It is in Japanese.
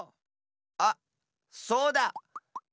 あっそうだ！